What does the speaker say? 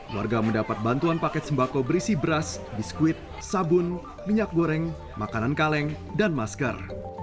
warga mendapat bantuan paket sembako berisi beras biskuit sabun minyak goreng makanan kaleng dan masker